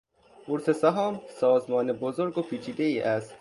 بورس سهام سازمان بزرگ و پیچیدهای است.